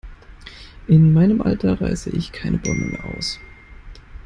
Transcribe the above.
In meinem Alter reiße ich keine Bäume mehr aus.